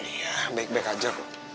iya baik baik aja